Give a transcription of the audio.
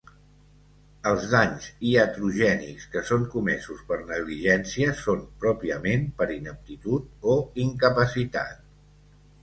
Els danys iatrogènics que són comesos per negligència són pròpiament per ineptitud o incapacitat.